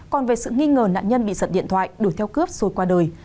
còn về sự nghi ngờ nạn nhân bị giận điện thoại đổi theo cướp rồi qua đời